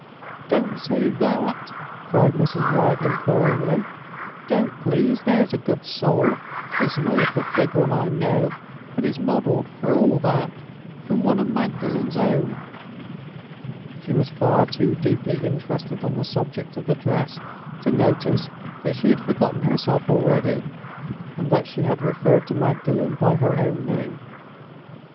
"Don't say that!" cried Mrs. Wragge, imploringly. "Don't please, there's a good soul! It's an awful big one, I know; but it's modeled, for all that, from one of Magdalen's own." She was far too deeply interested on the subject of the dress to notice that she had forgotten herself already, and that she had referred to Magdalen by her own name.